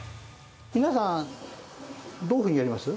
皆さんどういうふうにやります？